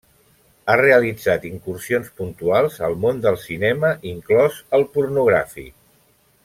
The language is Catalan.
Ha realitzat incursions puntuals al món del cinema, inclòs el pornogràfic.